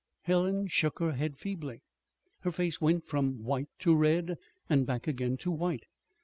Helen shook her head feebly. Her face went from white to red, and back again to white.